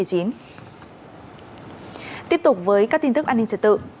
tiếp tục với các tin tức an ninh trật tự